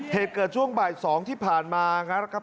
เหตุเกิดช่วงบ่าย๒ที่ผ่านมานะครับ